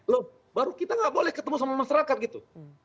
loh baru kita nggak boleh ketemu sama masyarakat gitu